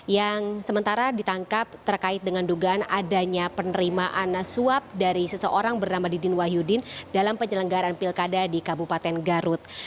yang sementara ditangkap terkait dengan dugaan adanya penerimaan suap dari seseorang bernama didin wahyudin dalam penyelenggaran pilkada di kabupaten garut